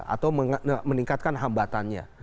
atau meningkatkan hambatannya